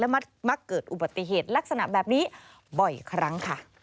มักเกิดอุบัติเหตุลักษณะแบบนี้บ่อยครั้งค่ะ